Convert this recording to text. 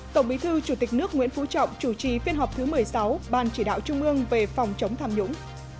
tổng bí thư chủ tịch nước nguyễn phú trọng chủ trì phiên họp thứ một mươi sáu ban chỉ đạo trung ương về phòng chống tham nhũng